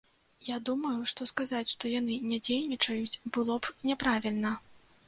Я думаю, што сказаць, што яны не дзейнічаюць, было б няправільна.